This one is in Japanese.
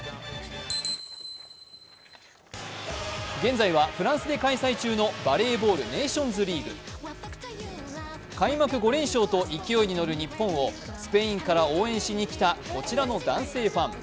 現在はフランスで開催中のバレーボール・ネーションズリーグ開幕５連勝と勢いに乗る日本をスペインから応援しにきたこちらの男性ファン。